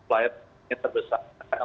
pembelian yang terbesar